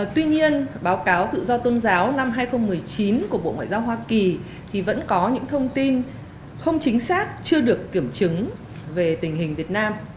tuy nhiên báo cáo tự do tôn giáo năm hai nghìn một mươi chín của bộ ngoại giao hoa kỳ vẫn có những thông tin không chính xác chưa được kiểm chứng về tình hình việt nam